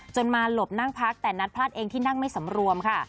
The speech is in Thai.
มาหลบนั่งพักแต่นัทพลาดเองที่นั่งไม่สำรวมค่ะ